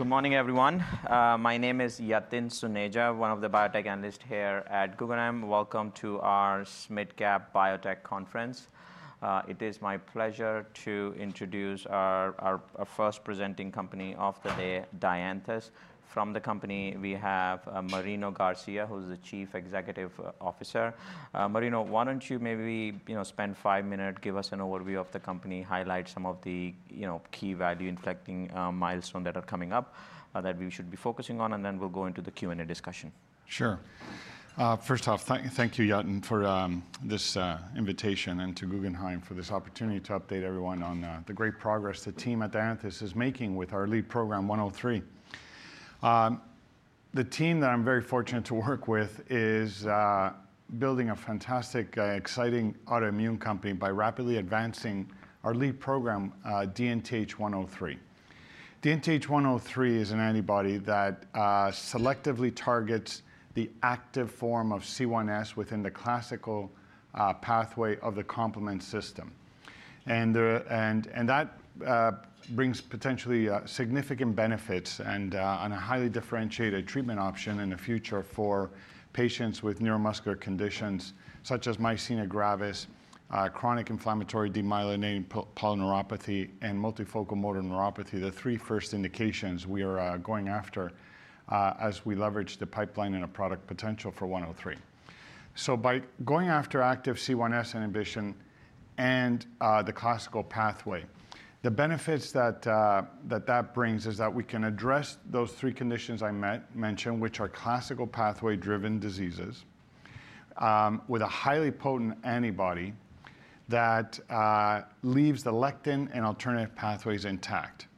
Good morning, everyone. My name is Yathin Suneja, one of the biotech analysts here at Guggenheim. Welcome to our SMID Cap Biotech Conference. It is my pleasure to introduce our first presenting company of the day, Dianthus. From the company, we have Marino Garcia, who's the Chief Executive Officer. Marino, why don't you maybe spend five minutes, give us an overview of the company, highlight some of the key value-inflecting milestones that are coming up that we should be focusing on, and then we'll go into the Q&A discussion. Sure. First off, thank you, Yathin, for this invitation and to Guggenheim for this opportunity to update everyone on the great progress the team at Dianthus is making with our lead program, 103. The team that I'm very fortunate to work with is building a fantastic, exciting autoimmune company by rapidly advancing our lead program, DNTH103. DNTH103 is an antibody that selectively targets the active form of C1s within the classical pathway of the complement system, and that brings potentially significant benefits and a highly differentiated treatment option in the future for patients with neuromuscular conditions such as myasthenia gravis, chronic inflammatory demyelinating polyneuropathy, and multifocal motor neuropathy, the three first indications we are going after as we leverage the pipeline and the product potential for DNTH103. By going after active C1s inhibition and the classical pathway, the benefits that that brings is that we can address those three conditions I mentioned, which are classical pathway-driven diseases, with a highly potent antibody that leaves the lectin and alternative pathways intact.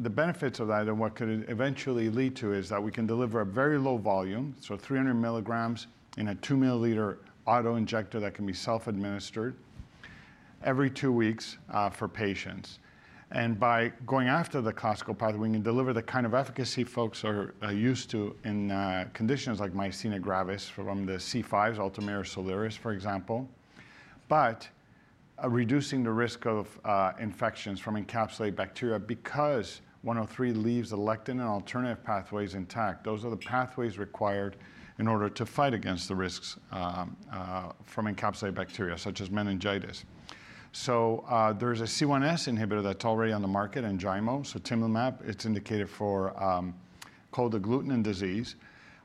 The benefits of that and what could eventually lead to is that we can deliver a very low volume, so 300 mg in a 2 ml autoinjector that can be self-administered every two weeks for patients. By going after the classical pathway, we can deliver the kind of efficacy folks are used to in conditions like myasthenia gravis from the C5s, Ultomiris or Soliris, for example, but reducing the risk of infections from encapsulated bacteria because DNTH103 leaves the lectin and alternative pathways intact. Those are the pathways required in order to fight against the risks from encapsulated bacteria, such as meningitis. There's a C1s inhibitor that's already on the market, Enjaymo, sutimlimab. It's indicated for cold agglutinin disease.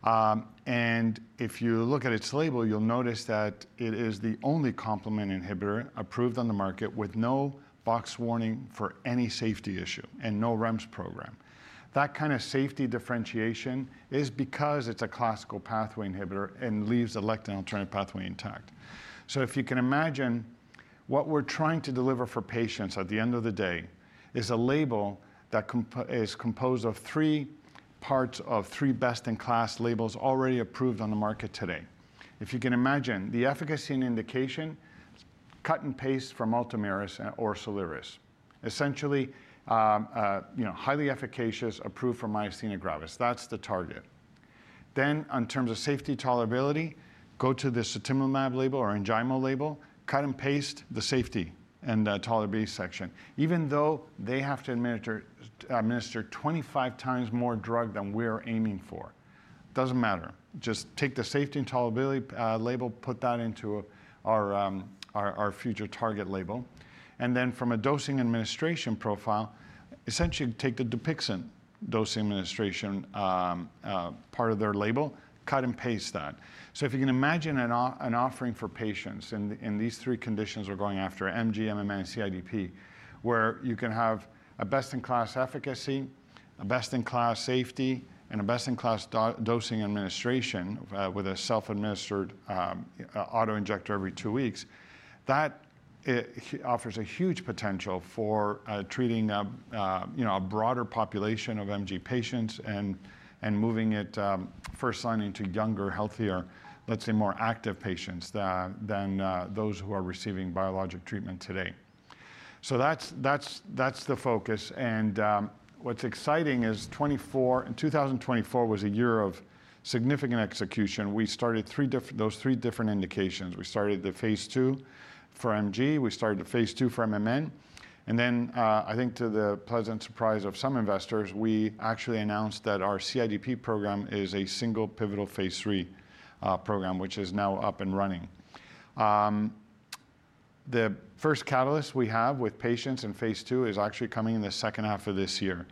If you look at its label, you'll notice that it is the only complement inhibitor approved on the market with no boxed warning for any safety issue and no REMS program. That kind of safety differentiation is because it's a classical pathway inhibitor and leaves the lectin and alternative pathway intact. If you can imagine, what we're trying to deliver for patients at the end of the day is a label that is composed of three parts of three best-in-class labels already approved on the market today. If you can imagine, the efficacy and indication is cut and paste from Ultomiris or Soliris. Essentially, highly efficacious, approved for Myasthenia Gravis. That's the target. Then, in terms of safety tolerability, go to the sutimlimab label or Enjaymo label, cut and paste the safety and tolerability section. Even though they have to administer 25 times more drug than we're aiming for, it doesn't matter. Just take the safety and tolerability label, put that into our future target label, and then, from a dosing administration profile, essentially, take the Dupixent dosing administration part of their label, cut and paste that. So if you can imagine an offering for patients in these three conditions we're going after, MG, MMN, CIDP, where you can have a best-in-class efficacy, a best-in-class safety, and a best-in-class dosing administration with a self-administered autoinjector every two weeks, that offers a huge potential for treating a broader population of MG patients and moving it first line into younger, healthier, let's say, more active patients than those who are receiving biologic treatment today. So that's the focus. And what's exciting is 2024 was a year of significant execution. We started those three different indications. We started the Phase 2 for MG. We started the Phase 2 for MMN. And then, I think to the pleasant surprise of some investors, we actually announced that our CIDP program is a single pivotal Phase 3 program, which is now up and running. The first catalyst we have with patients in Phase 2 is actually coming in the second half of this year.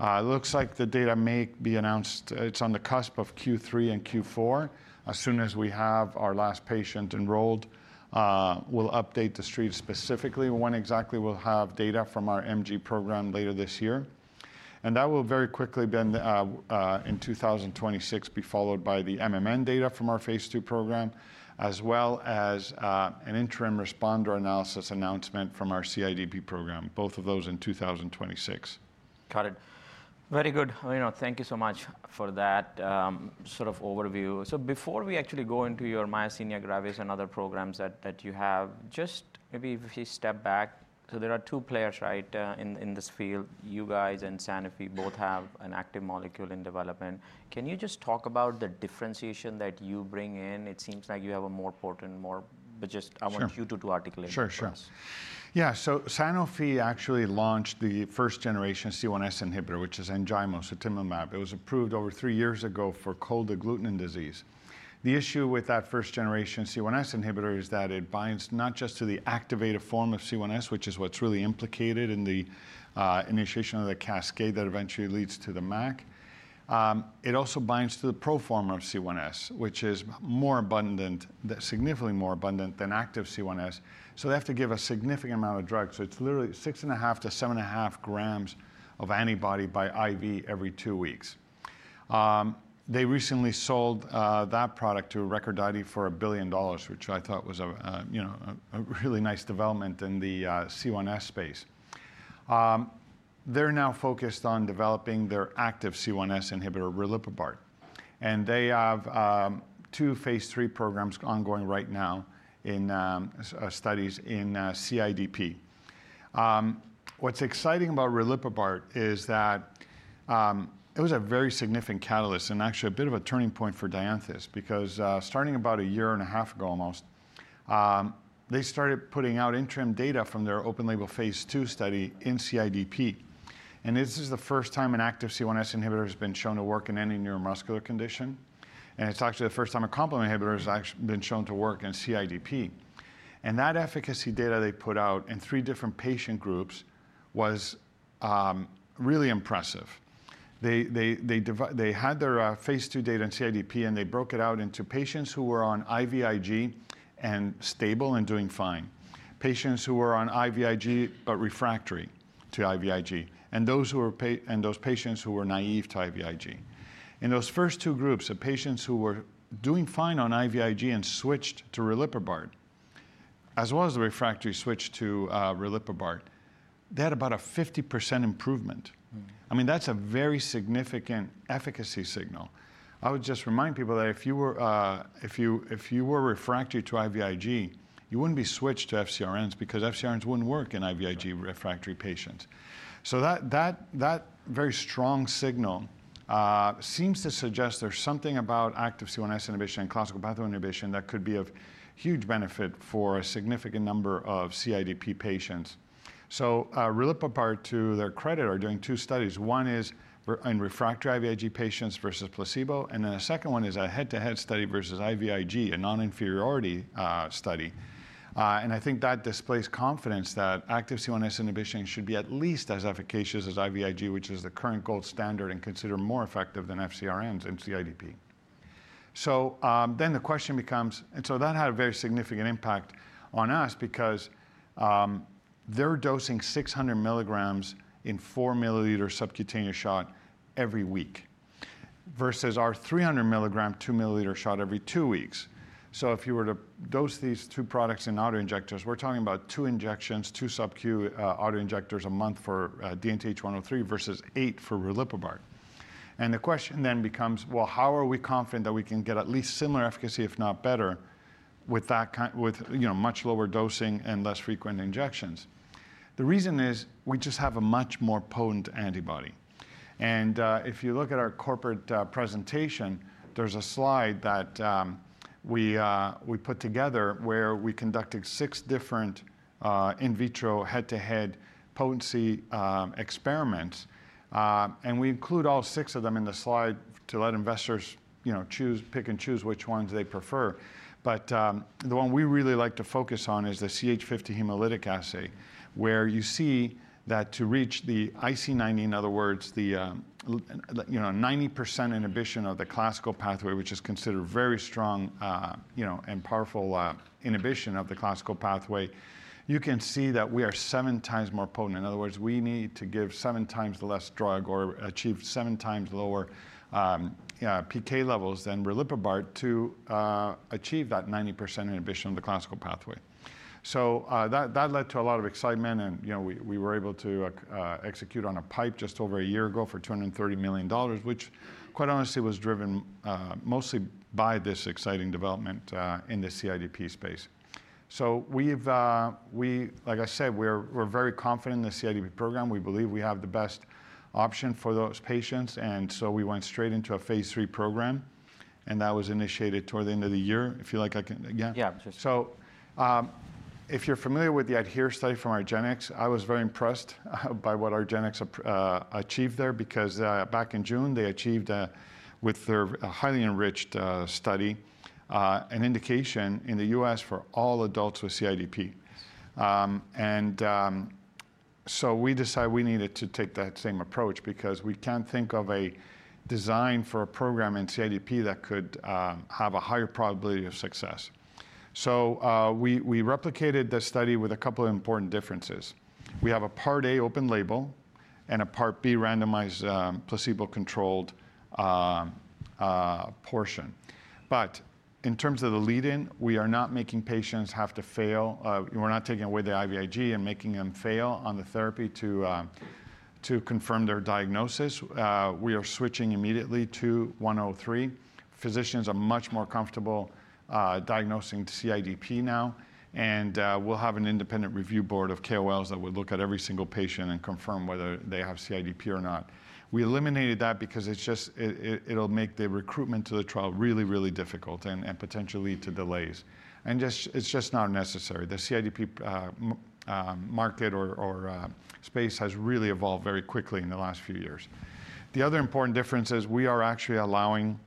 It looks like the data may be announced. It's on the cusp of Q3 and Q4. As soon as we have our last patient enrolled, we'll update the Street specifically. When exactly we'll have data from our MG program later this year. And that will very quickly then, in 2026, be followed by the MMN data from our Phase 2 program, as well as an interim responder analysis announcement from our CIDP program, both of those in 2026. Got it. Very good. Marino, thank you so much for that sort of overview. So before we actually go into your myasthenia gravis and other programs that you have, just maybe if we step back. So there are two players, right, in this field. You guys and Sanofi both have an active molecule in development. Can you just talk about the differentiation that you bring in? It seems like you have a more potent, more just I want you to do articulate for us. Sure, sure. Yeah, so Sanofi actually launched the first generation C1s inhibitor, which is Enjaymo, sutimlimab. It was approved over three years ago for cold agglutinin disease. The issue with that first generation C1s inhibitor is that it binds not just to the activated form of C1s, which is what's really implicated in the initiation of the cascade that eventually leads to the MAC. It also binds to the proform of C1s, which is more abundant, significantly more abundant than active C1s. So they have to give a significant amount of drug. So it's literally 6.5 to 7.5 g of antibody by IV every two weeks. They recently sold that product to Recordati for $1 billion, which I thought was a really nice development in the C1s space. They're now focused on developing their active C1s inhibitor, riliprubart. They have two Phase 3 programs ongoing right now in studies in CIDP. What's exciting about riliprubart is that it was a very significant catalyst and actually a bit of a turning point for Dianthus, because starting about a year and a half ago almost, they started putting out interim data from their open label Phase 2 study in CIDP. It's actually the first time an active C1s inhibitor has been shown to work in any neuromuscular condition. It's actually the first time a complement inhibitor has actually been shown to work in CIDP. That efficacy data they put out in three different patient groups was really impressive. They had their Phase 2 data in CIDP, and they broke it out into patients who were on IVIG and stable and doing fine, patients who were on IVIG but refractory to IVIG, and those patients who were naive to IVIG. In those first two groups, the patients who were doing fine on IVIG and switched to riliprubart, as well as the refractory switch to riliprubart, they had about a 50% improvement. I mean, that's a very significant efficacy signal. I would just remind people that if you were refractory to IVIG, you wouldn't be switched to FcRns because FcRns wouldn't work in IVIG refractory patients. So that very strong signal seems to suggest there's something about active C1s inhibition and classical pathway inhibition that could be of huge benefit for a significant number of CIDP patients. So riliprubart, to their credit, are doing two studies. One is in refractory IVIG patients versus placebo. And then the second one is a head-to-head study versus IVIG, a non-inferiority study. And I think that displays confidence that active C1s inhibition should be at least as efficacious as IVIG, which is the current gold standard, and considered more effective than FcRns in CIDP. So then the question becomes, and so that had a very significant impact on us because they're dosing 600 mg in 4 ml subcutaneous shot every week versus our 300 mg 2 ml shot every two weeks. So if you were to dose these two products in autoinjectors, we're talking about two injections, two subcu autoinjectors a month for DNTH103 versus eight for riliprubart. And the question then becomes, well, how are we confident that we can get at least similar efficacy, if not better, with much lower dosing and less frequent injections? The reason is we just have a much more potent antibody, and if you look at our corporate presentation, there's a slide that we put together where we conducted six different in vitro head-to-head potency experiments, and we include all six of them in the slide to let investors pick and choose which ones they prefer, but the one we really like to focus on is the CH50 hemolytic assay, where you see that to reach the IC90, in other words, the 90% inhibition of the classical pathway, which is considered very strong and powerful inhibition of the classical pathway, you can see that we are seven times more potent. In other words, we need to give seven times less drug or achieve seven times lower PK levels than riliprubart to achieve that 90% inhibition of the classical pathway, so that led to a lot of excitement. And we were able to execute on a pipe just over a year ago for $230 million, which, quite honestly, was driven mostly by this exciting development in the CIDP space. So like I said, we're very confident in the CIDP program. We believe we have the best option for those patients. And so we went straight into a Phase 3 program. And that was initiated toward the end of the year. If you like, I can again. Yeah, just. If you're familiar with the ADVANCE study from Argenx, I was very impressed by what Argenx achieved there because back in June, they achieved, with their highly enriched study, an indication in the U.S. for all adults with CIDP, and so we decided we needed to take that same approach because we can't think of a design for a program in CIDP that could have a higher probability of success, so we replicated the study with a couple of important differences. We have a part A open label and a part B randomized placebo-controlled portion. But in terms of the lead-in, we are not making patients have to fail. We're not taking away the IVIG and making them fail on the therapy to confirm their diagnosis. We are switching immediately to DNTH103. Physicians are much more comfortable diagnosing CIDP now. And we'll have an independent review board of KOLs that would look at every single patient and confirm whether they have CIDP or not. We eliminated that because it'll make the recruitment to the trial really, really difficult and potentially lead to delays. And it's just not necessary. The CIDP market or space has really evolved very quickly in the last few years. The other important difference is we are actually allowing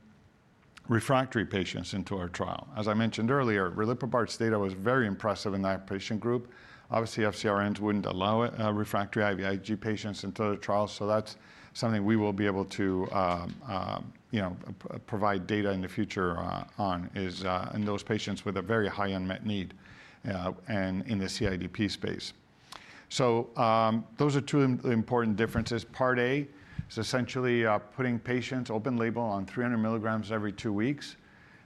refractory patients into our trial. As I mentioned earlier, riliprubart's data was very impressive in that patient group. Obviously, FcRns wouldn't allow refractory IVIG patients into the trial. So that's something we will be able to provide data in the future on, and those patients with a very high unmet need in the CIDP space. So those are two of the important differences. Part A is essentially putting patients open label on 300 mg every two weeks.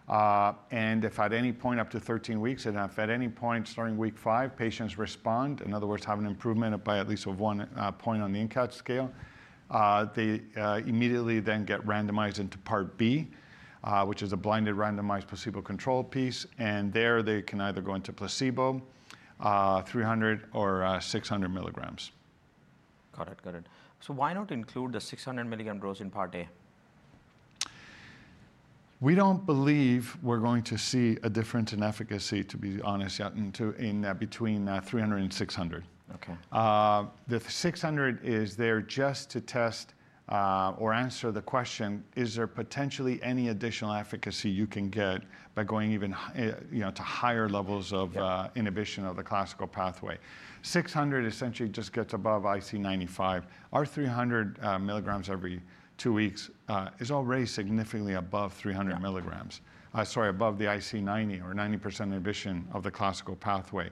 If at any point up to 13 weeks, starting week five, patients respond, in other words, have an improvement by at least one point on the INCAT scale, they immediately then get randomized into part B, which is a blinded randomized placebo-controlled piece. There, they can either go into placebo, 300 or 600 mg. Got it, got it. So why not include the 600 mg dose in part A? We don't believe we're going to see a difference in efficacy, to be honest, between 300 and 600 mg. OK. The 600 gm is there just to test or answer the question, is there potentially any additional efficacy you can get by going even to higher levels of inhibition of the classical pathway? 600 mg essentially just gets above IC95. Our 300 mg every two weeks is already significantly above 300 mg, sorry, above the IC90 or 90% inhibition of the classical pathway.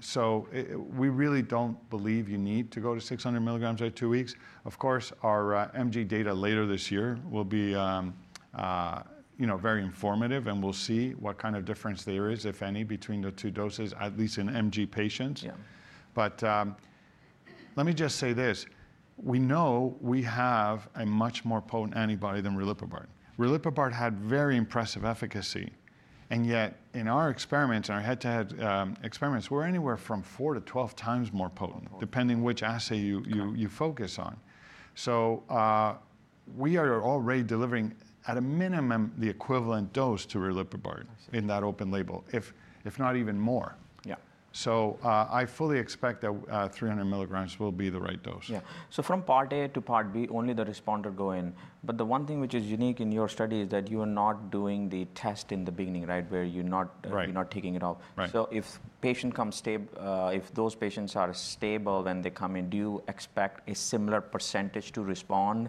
So we really don't believe you need to go to 600 mg every two weeks. Of course, our MG data later this year will be very informative, and we'll see what kind of difference there is, if any, between the two doses, at least in MG patients. But let me just say this. We know we have a much more potent antibody than riliprubart. Riliprubart had very impressive efficacy. And yet, in our experiments, in our head-to-head experiments, we're anywhere from four to 12 times more potent, depending which assay you focus on. So we are already delivering, at a minimum, the equivalent dose to riliprubart in that open label, if not even more. Yeah. I fully expect that 300 mg will be the right dose. Yeah, so from part A to part B, only the responder go in. But the one thing which is unique in your study is that you are not doing the test in the beginning, right, where you're not taking it off. Right. So if patients come stable, if those patients are stable when they come in, do you expect a similar percentage to respond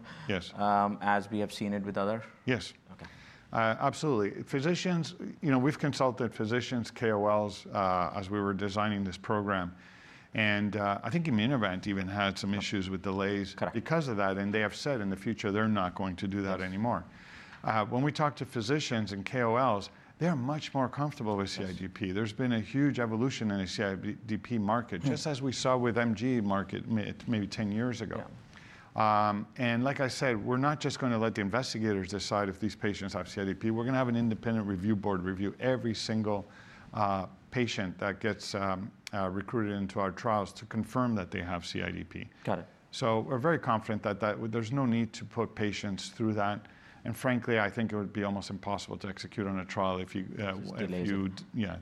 as we have seen it with others? Yes. OK. Absolutely. We've consulted physicians, KOLs, as we were designing this program. And I think Immunovant even had some issues with delays because of that. And they have said in the future they're not going to do that anymore. When we talk to physicians and KOLs, they are much more comfortable with CIDP. There's been a huge evolution in the CIDP market, just as we saw with MG market maybe 10 years ago. And like I said, we're not just going to let the investigators decide if these patients have CIDP. We're going to have an independent review board review every single patient that gets recruited into our trials to confirm that they have CIDP. Got it. So we're very confident that there's no need to put patients through that. And frankly, I think it would be almost impossible to execute on a trial if you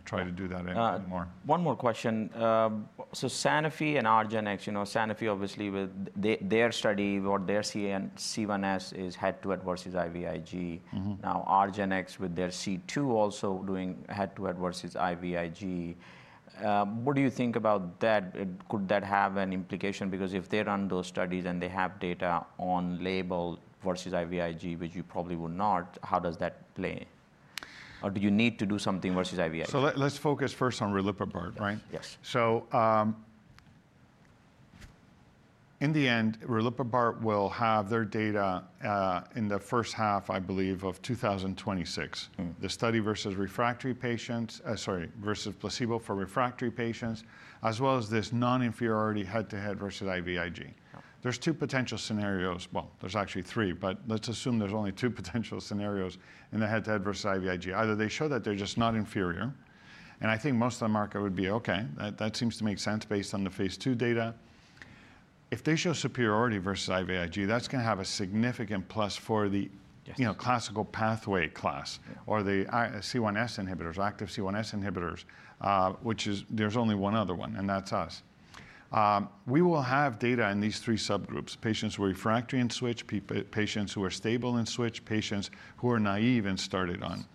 try to do that anymore. One more question. So Sanofi and Argenx, Sanofi, obviously, with their study, what their C1s is head-to-head versus IVIG. Now Argenx, with their C2, also doing head-to-head versus IVIG. What do you think about that? Could that have an implication? Because if they run those studies and they have data on label versus IVIG, which you probably would not, how does that play? Or do you need to do something versus IVIG? So let's focus first on riliprubart, right? Yes. So in the end, riliprubart will have their data in the first half, I believe, of 2026, the study versus placebo for refractory patients, as well as this non-inferiority head-to-head versus IVIG. There's two potential scenarios. Well, there's actually three. But let's assume there's only two potential scenarios in the head-to-head versus IVIG. Either they show that they're just not inferior, and I think most of the market would be, OK, that seems to make sense based on the Phase 2 data. If they show superiority versus IVIG, that's going to have a significant plus for the classical pathway class or the C1s inhibitors, active C1s inhibitors, which there's only one other one, and that's us. We will have data in these three subgroups: patients who are refractory in switch, patients who are stable in switch, patients who are naive and started on.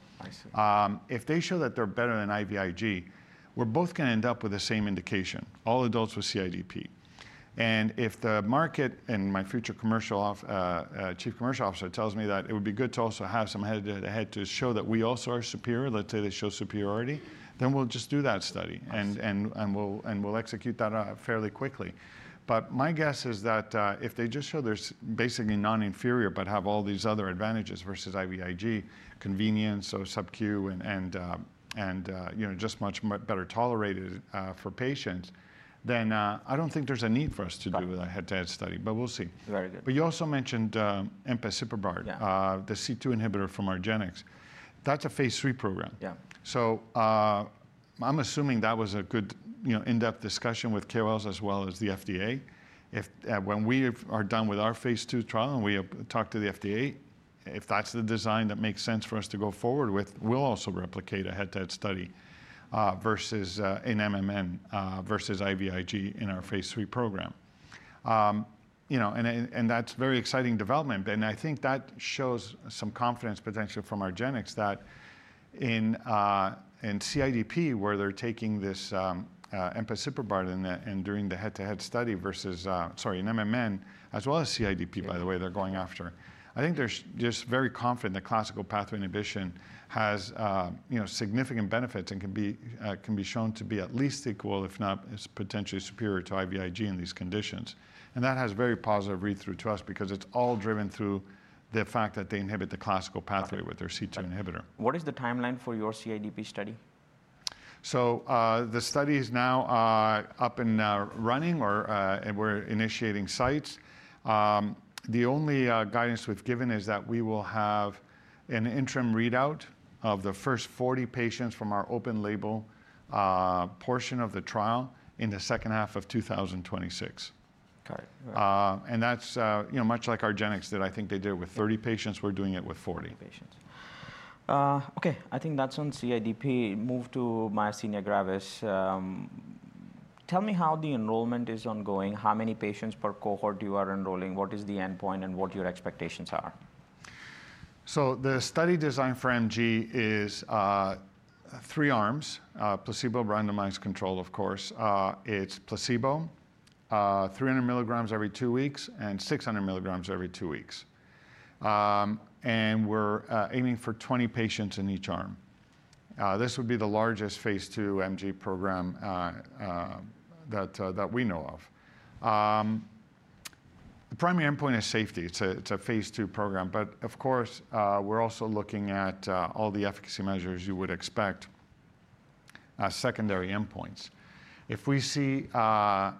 If they show that they're better than IVIG, we're both going to end up with the same indication, all adults with CIDP. And if the market and my future chief commercial officer tells me that it would be good to also have some head-to-head to show that we also are superior, let's say they show superiority, then we'll just do that study. And we'll execute that fairly quickly. But my guess is that if they just show they're basically non-inferior but have all these other advantages versus IVIG, convenience or subcu and just much better tolerated for patients, then I don't think there's a need for us to do a head-to-head study. But we'll see. Very good. But you also mentioned empasiprubart, the C2 inhibitor from Argenx. That's a Phase 3 program. Yeah. I'm assuming that was a good in-depth discussion with KOLs as well as the FDA. When we are done with our Phase 2 trial and we talk to the FDA, if that's the design that makes sense for us to go forward with, we'll also replicate a head-to-head study versus an MMN versus IVIG in our Phase 3 program. And that's a very exciting development. And I think that shows some confidence potentially from Argenx that in CIDP, where they're taking this empasiprubart and doing the head-to-head study versus, sorry, an MMN, as well as CIDP, by the way, they're going after, I think they're just very confident that classical pathway inhibition has significant benefits and can be shown to be at least equal, if not potentially superior to IVIG in these conditions. That has very positive read-through to us because it's all driven through the fact that they inhibit the classical pathway with their C2 inhibitor. What is the timeline for your CIDP study? The study is now up and running, or we're initiating sites. The only guidance we've given is that we will have an interim readout of the first 40 patients from our open label portion of the trial in the second half of 2026. Got it. That's much like Argenx did. I think they did it with 30 patients. We're doing it with 40 patients. OK. I think that's on CIDP. Move to myasthenia gravis. Tell me how the enrollment is ongoing, how many patients per cohort you are enrolling, what is the endpoint, and what your expectations are? The study design for MG is three arms, placebo-randomized control, of course. It's placebo, 300 mg every two weeks and 600 mg every two weeks. We're aiming for 20 patients in each arm. This would be the largest Phase 2 MG program that we know of. The primary endpoint is safety. It's a Phase 2 program. Of course, we're also looking at all the efficacy measures you would expect, secondary endpoints. If we see the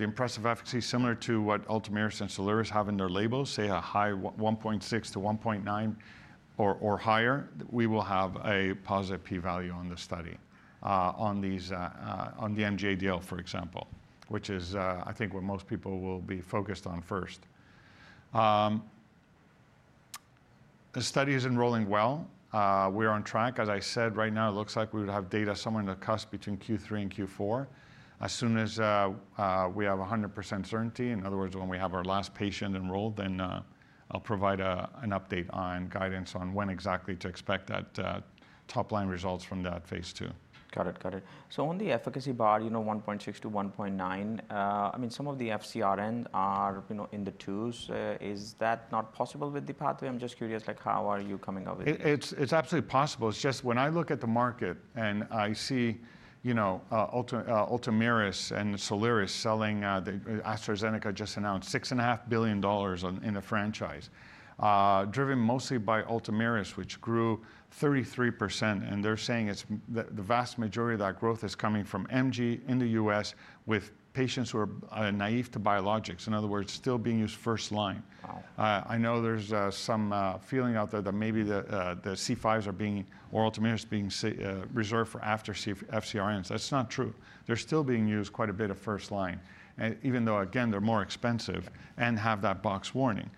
impressive efficacy similar to what Ultomiris and Soliris have in their labels, say a high 1.6 to 1.9 or higher, we will have a positive p-value on the study on the MG ADL, for example, which is, I think, what most people will be focused on first. The study is enrolling well. We're on track. As I said, right now, it looks like we would have data somewhere in the cusp between Q3 and Q4 as soon as we have 100% certainty. In other words, when we have our last patient enrolled, then I'll provide an update on guidance on when exactly to expect that top-line results from that Phase 2. Got it, got it. On the efficacy bar, you know, 1.6 to 1.9, I mean, some of the FcRn are in the twos. Is that not possible with the pathway? I'm just curious, like, how are you coming up with it? It's absolutely possible. It's just when I look at the market and I see Ultomiris and Soliris selling AstraZeneca, just announced $6.5 billion in a franchise, driven mostly by Ultomiris, which grew 33%. And they're saying the vast majority of that growth is coming from MG in the U.S. with patients who are naive to biologics. In other words, still being used first line. Wow. I know there's some feeling out there that maybe the C5s are being or Ultomiris being reserved for after FcRNs. That's not true. They're still being used quite a bit of first line, even though, again, they're more expensive and have that boxed warning.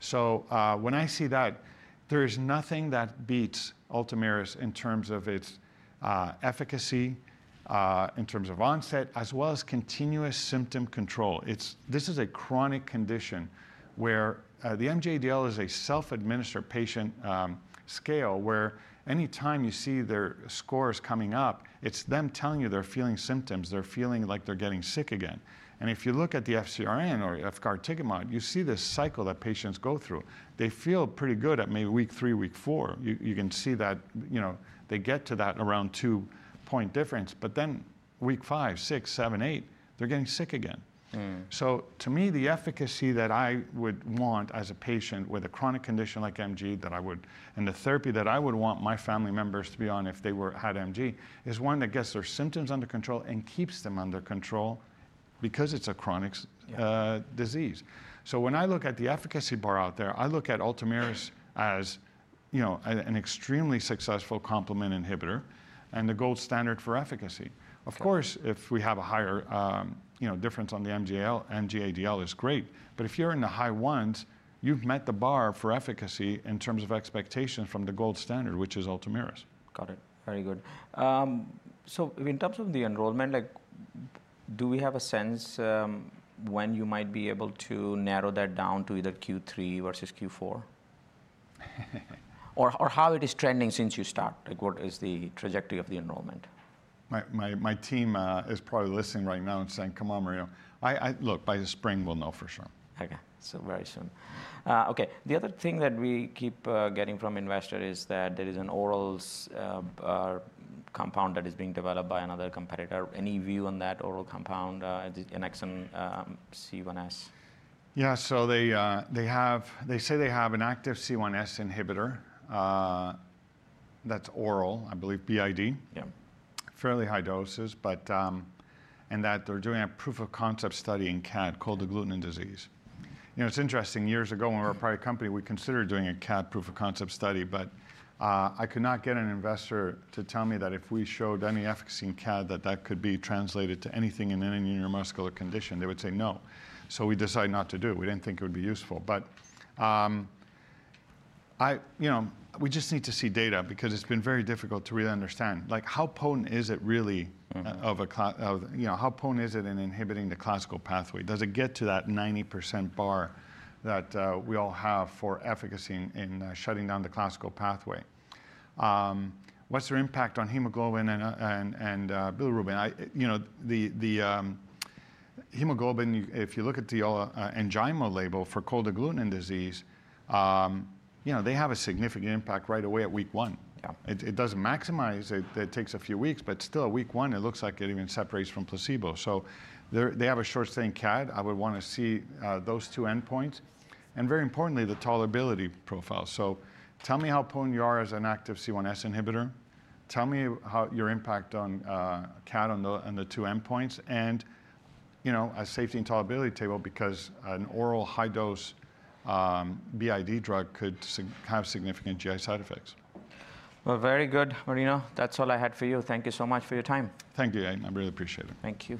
So when I see that, there is nothing that beats Ultomiris in terms of its efficacy, in terms of onset, as well as continuous symptom control. This is a chronic condition where the MG-ADL is a self-administered patient scale where any time you see their scores coming up, it's them telling you they're feeling symptoms. They're feeling like they're getting sick again. And if you look at the FcRn or efgartigimod, you see this cycle that patients go through. They feel pretty good at maybe week three, week four. You can see that they get to that around two-point difference. But then week five, six, seven, eight, they're getting sick again. So to me, the efficacy that I would want as a patient with a chronic condition like MG that I would, and the therapy that I would want my family members to be on if they had MG, is one that gets their symptoms under control and keeps them under control because it's a chronic disease. So when I look at the efficacy bar out there, I look at Ultomiris as an extremely successful complement inhibitor and the gold standard for efficacy. Of course, if we have a higher difference on the MG-ADL, it's great. But if you're in the high ones, you've met the bar for efficacy in terms of expectations from the gold standard, which is Ultomiris. Got it. Very good. So in terms of the enrollment, do we have a sense when you might be able to narrow that down to either Q3 versus Q4? Or how it is trending since you start? What is the trajectory of the enrollment? My team is probably listening right now and saying, come on, Marino. Look, by the spring, we'll know for sure. The other thing that we keep getting from investors is that there is an oral compound that is being developed by another competitor. Any view on that oral compound, the Annexon C1s? Yeah. So they say they have an active C1s inhibitor that's oral, I believe, BID. Yeah. Fairly high doses, and that they're doing a proof of concept study in CAD called the cold agglutinin disease. It's interesting. Years ago, when we were a private company, we considered doing a CAD proof of concept study, but I could not get an investor to tell me that if we showed any efficacy in CAD, that that could be translated to anything in any neuromuscular condition. They would say no, so we decided not to do it. We didn't think it would be useful, but we just need to see data because it's been very difficult to really understand. How potent is it really in inhibiting the classical pathway? Does it get to that 90% bar that we all have for efficacy in shutting down the classical pathway? What's their impact on hemoglobin and bilirubin? Hemoglobin, if you look at the Enjaymo label for cold agglutinin disease, they have a significant impact right away at week one. It doesn't maximize. It takes a few weeks. But still, at week one, it looks like it even separates from placebo. So they have a short study in CAD. I would want to see those two endpoints. And very importantly, the tolerability profile. So tell me how potent you are as an active C1s inhibitor. Tell me your impact on CAD on the two endpoints. And a safety and tolerability table because an oral high-dose BID drug could have significant GI side effects. Very good, Marino. That's all I had for you. Thank you so much for your time. Thank you, Yathin. I really appreciate it. Thank you.